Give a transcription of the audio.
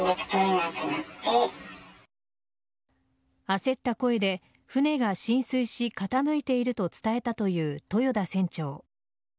焦った声で船が浸水し傾いていると伝えたという豊田船長。